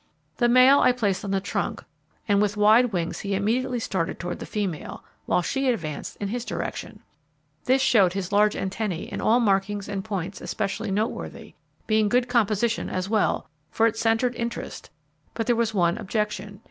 The male I placed on the trunk, and with wide wings he immediately started toward the female, while she advanced in his direction. This showed his large antennae and all markings and points especially note worthy; being good composition as well, for it centred interest; but there was one objection.